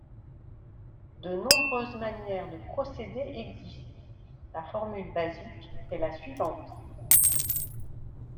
De nombreuses manières de procéder existent, la formule basique est la suivante.